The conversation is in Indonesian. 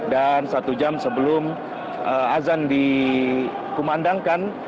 dan satu jam sebelum azan dikumandangkan